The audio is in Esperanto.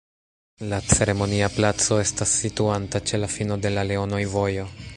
La Ceremonia Placo estas situanta ĉe la fino de la Leonoj-Vojo.